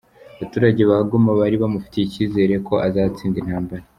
Abaturage ba Goma bari bamufitiye icyizere ko azatsinda intambara.